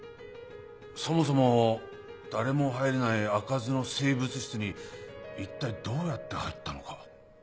そもそも誰も入れない「あかずの生物室」に一体どうやって入ったのか。